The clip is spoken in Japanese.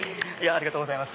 ありがとうございます。